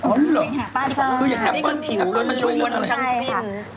คืออย่างแอปเปิ้ลผิวเงิน